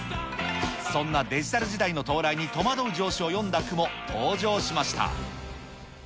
そんなデジタル時代の到来に戸惑う上司を詠んだ句も登場しました。